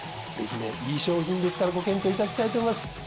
ぜひねいい商品ですからご検討いただきたいと思います。